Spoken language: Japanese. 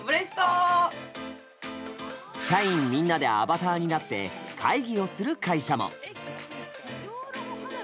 社員みんなでアバターになって会議をする会社も。